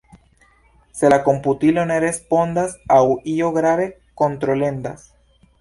Se la komputilo ne respondas aŭ io grave kontrolendas.